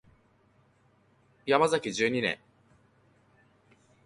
ヤマザキ十二年